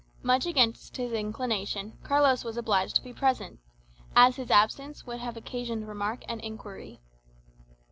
Much against his inclination, Carlos was obliged to be present, as his absence would have occasioned remark and inquiry.